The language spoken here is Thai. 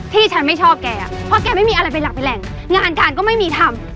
ที่ฉันไม่ชอบแกเพราะแกไม่มีอะไรเป็นหลักเป็นแหล่งงานการก็ไม่มีทำ